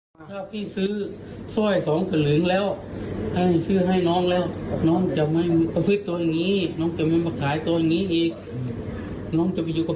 ๑๓๕๐บาทเดี๋ยวที่แล้วเดี๋ยวไม่ได้กินอีก๓๐๐๐บาท